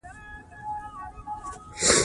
هوا د افغانانو د فرهنګي پیژندنې برخه ده.